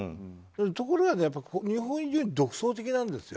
ところが日本人は独創的なんですよ。